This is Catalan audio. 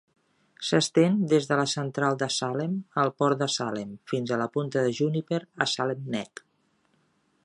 S'estén des de la central de Salem al port de Salem fins a la punta de Juniper a Salem Neck.